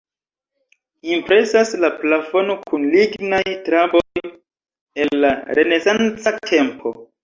Impresas la plafono kun lignaj traboj el la renesanca tempo.